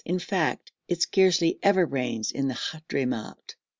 In fact, it scarcely ever rains in the Hadhramout.